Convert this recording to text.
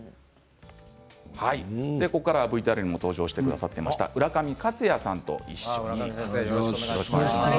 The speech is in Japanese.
ここからはＶＴＲにも登場なさってました浦上克哉さんと一緒にお伝えします。